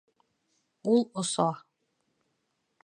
Ул оса.